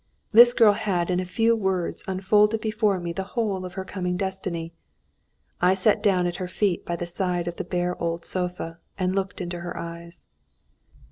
This girl had in a few words unfolded before me the whole of her coming destiny.... I sat down at her feet by the side of the bare old sofa, and looked into her eyes.